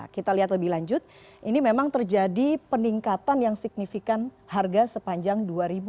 kita lihat lebih lanjut ini memang terjadi peningkatan yang signifikan harga sepanjang dua ribu dua puluh